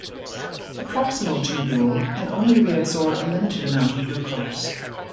The proximal tubule can only reabsorb a limited amount of glucose.